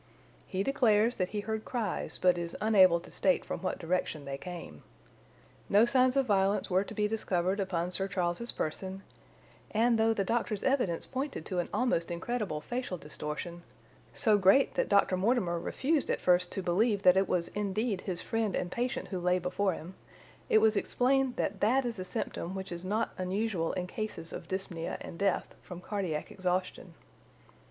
He declares that he heard cries but is unable to state from what direction they came. No signs of violence were to be discovered upon Sir Charles's person, and though the doctor's evidence pointed to an almost incredible facial distortion—so great that Dr. Mortimer refused at first to believe that it was indeed his friend and patient who lay before him—it was explained that that is a symptom which is not unusual in cases of dyspnœa and death from cardiac exhaustion.